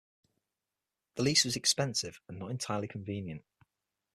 The lease was expensive and not entirely convenient.